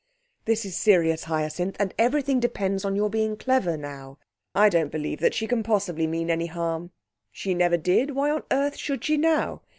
'This is serious, Hyacinth. And everything depends on your being clever now. I don't believe that she can possibly mean any harm. She never did. Why on earth should she now?